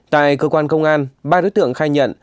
tại cơ quan công an ba đối tượng khai nhận